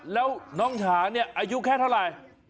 แล้วน้องฉาอายุแค่เท่าไร